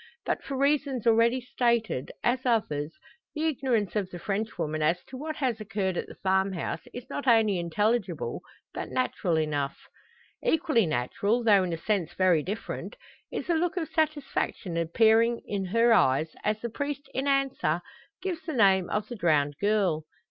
But for reasons already stated, as others, the ignorance of the Frenchwoman as to what has occurred at the farmhouse, is not only intelligible, but natural enough. Equally natural, though in a sense very different, is the look of satisfaction appearing in her eyes, as the priest in answer gives the name of the drowned girl.